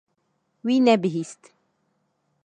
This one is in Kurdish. Wî nebihîst.